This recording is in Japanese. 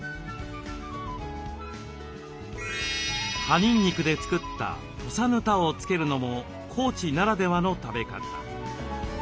葉にんにくで作った「土佐ぬた」をつけるのも高知ならではの食べ方。